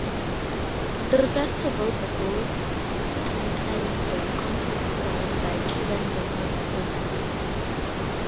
It refers to both the boat and the conflict won by Cuban government forces.